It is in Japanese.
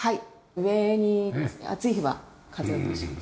上に暑い日は風を通します。